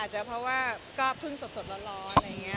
จะเพราะว่าก็เพิ่งสดร้อนอะไรอย่างนี้